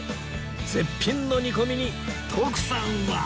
絶品の煮込みに徳さんは